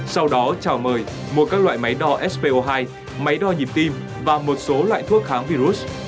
sau đó chào mời mua các loại máy đo spo hai máy đo nhịp tim và một số loại thuốc kháng virus